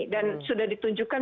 dan sudah ditunjukkan